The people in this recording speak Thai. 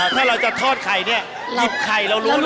ถ้าเราจะทอดไข่เนี่ยหยิบไข่เรารู้เลย